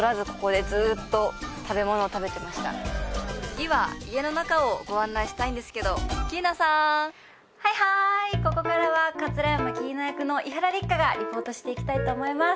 次は家の中をご案内したいんですけどキイナさーんはいはーいここからは桂山キイナ役の伊原六花がリポートしていきたいと思います